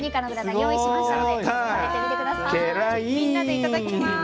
じゃみんなでいただきます。